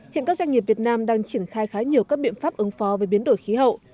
hiện các doanh nghiệp việt nam đang triển khai khá nhiều các biện pháp ứng phó với biến đổi khí hậu